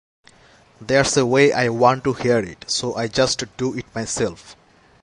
There's a way I want to hear it, so I just do it myself.